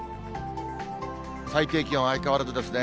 最低気温、相変わらずですね。